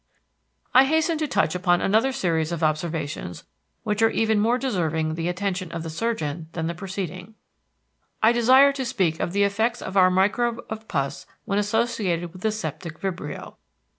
I hasten to touch upon another series of observations which are even more deserving the attention of the surgeon than the preceding: I desire to speak of the effects of our microbe of pus when associated with the septic vibrio.